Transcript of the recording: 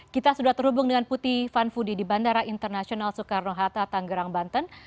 kita sudah terhubung dengan putih vanfudi di bandara internasional soekarno hatta tanggerang banten